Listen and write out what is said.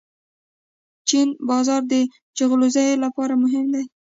د چین بازار د جلغوزیو لپاره مهم دی.